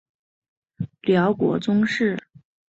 辽国宗室。